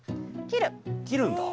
切るんだ。